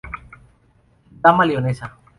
Dama leonesa.